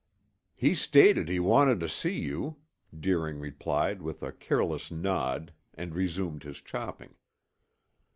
"He stated he wanted to see you," Deering replied with a careless nod and resumed his chopping.